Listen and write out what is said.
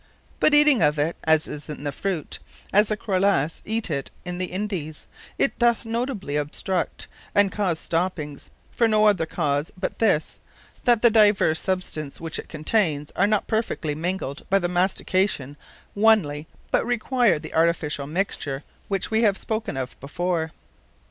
But eating of it, as it is in the fruite, as the Criollas eate it in the Indies, it doth notably obstruct, and cause stoppings; for no other cause but this, that the divers substances which it containes, are not perfectly mingled by the mastication onely, but require the artificiall mixture, which we have spoken of before.